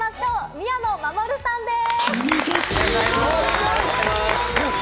宮野真守さんです。